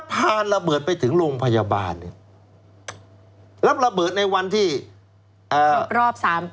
พาระเบิดไปถึงโรงพยาบาลแล้วระเบิดในวันที่อ่าครบรอบสามปี